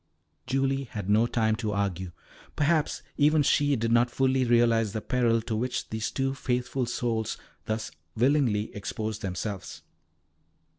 Julie had no time to argue; perhaps even she did not fully realise the peril to which these two faithful souls thus willingly exposed themselves.